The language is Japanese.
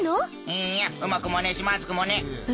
いいやうまくもねえしまずくもねえ。